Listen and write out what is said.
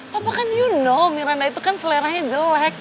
papa kan you know miranda itu kan seleranya jelek